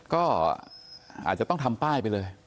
ก็อาจจะต้องทำป้ายไปเลย